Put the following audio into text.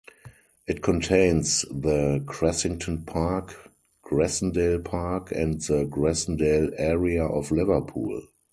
It contains the Cressington Park, Grassendale Park and the Grassendale area of Liverpool.